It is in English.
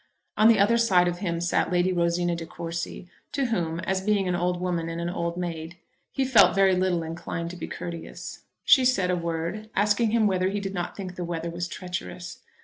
On the other side of him sat Lady Rosina de Courcy, to whom, as being an old woman and an old maid, he felt very little inclined to be courteous. She said a word, asking him whether he did not think the weather was treacherous.